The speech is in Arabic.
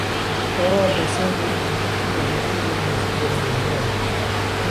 أراد سامي أن تعطيه ليلى المزيد من المال.